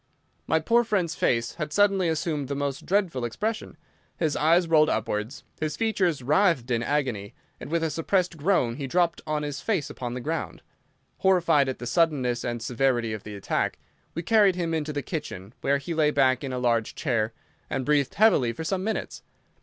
My poor friend's face had suddenly assumed the most dreadful expression. His eyes rolled upwards, his features writhed in agony, and with a suppressed groan he dropped on his face upon the ground. Horrified at the suddenness and severity of the attack, we carried him into the kitchen, where he lay back in a large chair, and breathed heavily for some minutes.